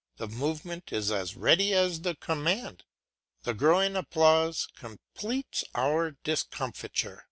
The movement is as ready as the command. The growing applause completes our discomfiture.